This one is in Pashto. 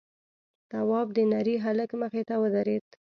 تواب د نري هلک مخې ته ودرېد: